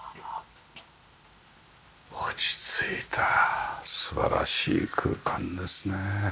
落ち着いた素晴らしい空間ですね。